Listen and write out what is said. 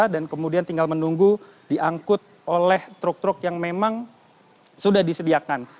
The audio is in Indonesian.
dan kemudian tinggal menunggu diangkut oleh truk truk yang memang sudah disediakan